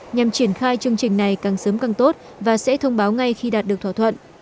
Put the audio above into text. nhằm triển khai chương trình này càng sớm càng tốt và sẽ thông báo ngay khi đạt được thỏa thuận